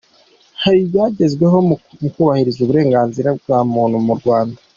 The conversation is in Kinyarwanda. Hari ibyagezweho mu kubahiriza uburenganzira bwa muntu mu Rwanda